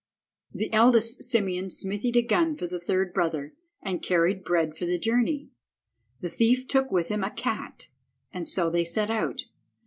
The eldest Simeon smithied a gun for the third brother, and carried bread for the journey. The thief took with him a cat, and so they set out.